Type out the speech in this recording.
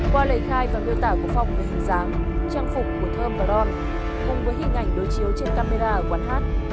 qua lời khai và viêu tả của phong về hình dáng trang phục của thơm và don cùng với hình ảnh đối chiếu trên camera ở quán hát